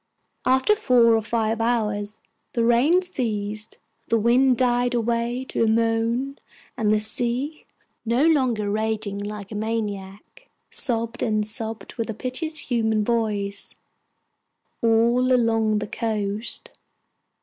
After four or five hours the rain ceased, the wind died away to a moan, and the sea no longer raging like a maniac sobbed and sobbed with a piteous human voice all along the coast.